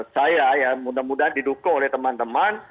saya ya mudah mudahan didukung oleh teman teman